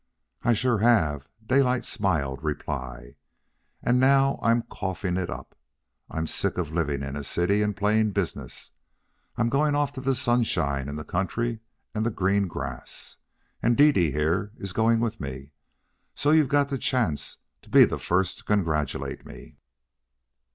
"I sure have!" Daylight smiled reply. "And I'm now coughing it up. I'm sick of living in a city and playing business I'm going off to the sunshine, and the country, and the green grass. And Dede, here, is going with me. So you've got the chance to be the first to congratulate me."